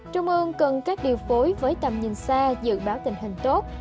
trung ương cần các điều phối với tầm nhìn xa dự báo tình hình tốt